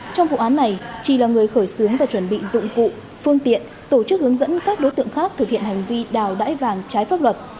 trong vụ án này trì là người khởi xướng và chuẩn bị dụng cụ phương tiện tổ chức hướng dẫn các đối tượng khác thực hiện hành vi đào đái vàng trái pháp luật